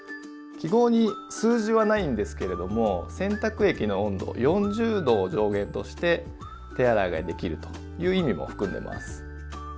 記号に数字はないんですけれども洗濯液の温度４０℃を上限として手洗いができるという意味も含んでます。